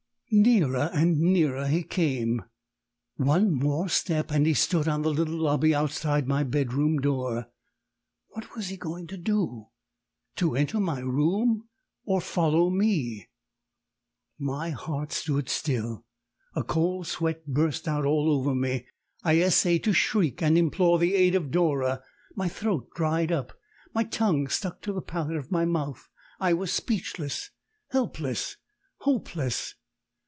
Nearer and nearer he came! One more step, and he stood on the little lobby outside my bedroom door. What was he going to do to enter my room or follow me? My heart stood still; a cold sweat burst out all over me; I essayed to shriek and implore the aid of Dora; my throat dried up, my tongue stuck to the palate of my mouth I was speechless! helpless! hopeless!